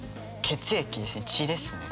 血ですね。